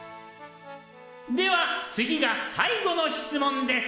では次が最後の質問です！